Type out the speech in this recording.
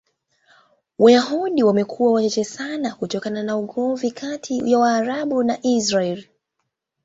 Wayahudi wamekuwa wachache sana kutokana na ugomvi kati ya Waarabu na Israel.